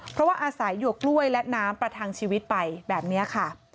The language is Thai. เพราะว่าอาศัยหยวกกล้วยและน้ำประทังชีวิตไปแบบนี้ค่ะ